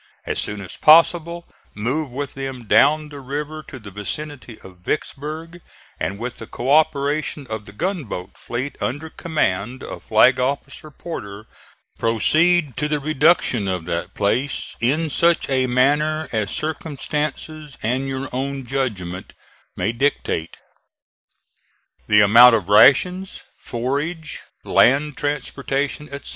As soon as possible move with them down the river to the vicinity of Vicksburg, and with the co operation of the gunboat fleet under command of Flag officer Porter proceed to the reduction of that place in such a manner as circumstances, and your own judgment, may dictate. The amount of rations, forage, land transportation, etc.